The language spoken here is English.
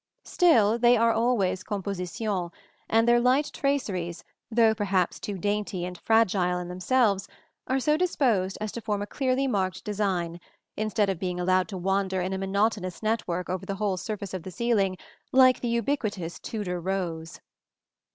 Still, they are always compositions, and their light traceries, though perhaps too dainty and fragile in themselves, are so disposed as to form a clearly marked design, instead of being allowed to wander in a monotonous network over the whole surface of the ceiling, like the ubiquitous Tudor rose.